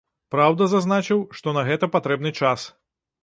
Праўда, зазначыў, што на гэта патрэбны час.